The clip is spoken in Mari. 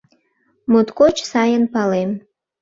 Моткоч сайын палем.